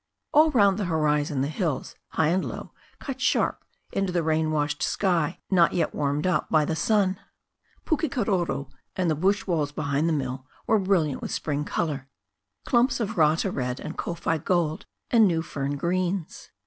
All round the horizon, the hills, high and low, cut sharp into the rain washed sky, not yet warmed up by the sun. Pukekaroro and the bush walls behind the mill were brilliant with spring colour, clumps of rata red and kowhai gold and new fern greens.